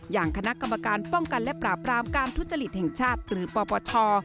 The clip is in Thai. อย่างคณะกรรมการป้องกันและปราบรามการทุจริตแห่งชาติหรือปปช